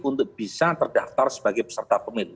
untuk bisa terdaftar sebagai peserta pemilu